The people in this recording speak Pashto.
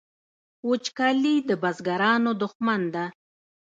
وچکالي د بزګرانو دښمن ده